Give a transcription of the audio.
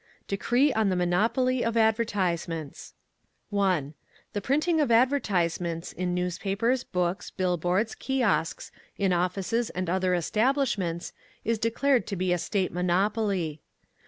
DECREE ON THE MONOPOLY OF ADVERTISEMENTS 1. The printing of advertisements, in newspapers, books, bill boards, kiosks, in offices and other establishments is declared to be a State monopoly.